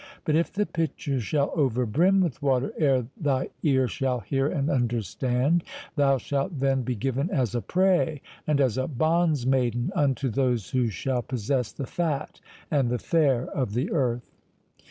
But if the pitcher shall overbrim with water ere thy ear shall hear and understand, thou shalt then be given as a prey, and as a bondsmaiden, unto those who shall possess the fat and the fair of the earth."